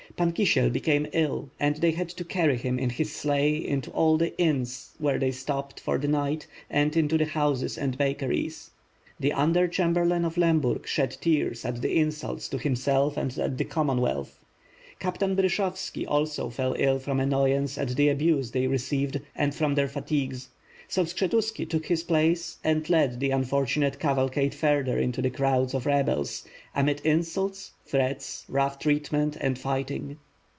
Pan Kisiel became ill and they had to carry him in his sleigh into all the inns where they stopped for the night and into the houses and bakeries. The Under Chamberlain of Lemburg shed tears at the insults to himself and to the fatherland; Captain Bryshovski also fell ill from annoyance at the abuse they received and from their fatigues; so Skshetuski took his place and led the unfortunate caval cade farther into the crowds of rebels; amid insults, threats, rough treatment, and fighting.